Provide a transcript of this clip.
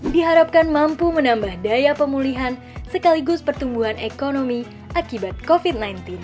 diharapkan mampu menambah daya pemulihan sekaligus pertumbuhan ekonomi akibat covid sembilan belas